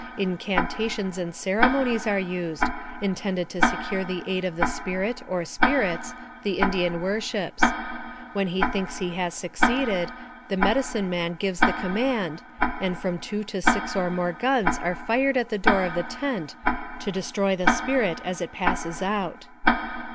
Incantations and ceremonies are used, intended to secure the aid of the spirit, or spirits, the Indian wor ships. When he thinks he has succeeded, the medicine man gives the command, and from two to six or more guns are fired at the door of the tent to destroy the spirit as it passes out.